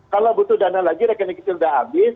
kalau butuh dana lagi rekening kecil sudah habis